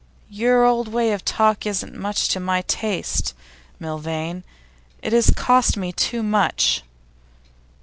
'Your old way of talk isn't much to my taste, Milvain. It has cost me too much.